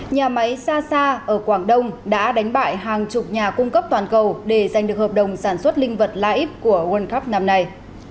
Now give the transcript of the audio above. nhà máy xasa ở quảng đông đã đánh bại hàng chục nhà cung cấp toàn cầu để giành được hợp đồng sản xuất linh vật lib của world cup năm nay